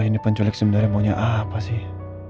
ini penculik sebenarnya maunya apa sih